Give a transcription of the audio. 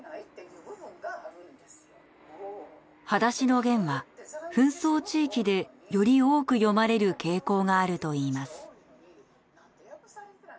『はだしのゲン』は紛争地域でより多く読まれる傾向があるといいます。